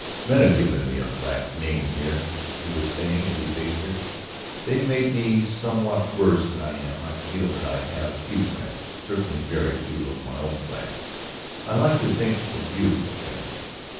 "Men have given me a black name here," he was saying as he faced her. "They've made me somewhat worse than I am. I feel that I have few friends, certainly very few of my own class. I like to think of you as a friend.